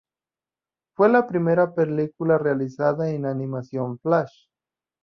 Fue la primera película realizada en animación flash.